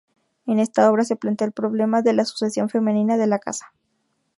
En esta obra se plantea el problema de la sucesión femenina de la Casa.